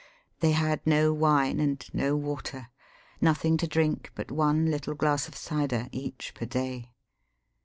They had no wine and no water ; nothing to drink but one little glass of cider, each, per day.